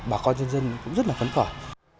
bà con nhân dân cũng rất là phấn khởi